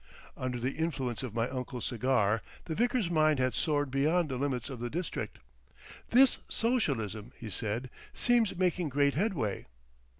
Under the influence of my uncle's cigar, the vicar's mind had soared beyond the limits of the district. "This Socialism," he said, "seems making great headway."